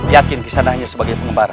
yakin kisana hanya sebagai pengembara